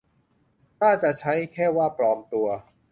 น่าจะใช้แค่ว่า "ปลอมตัว"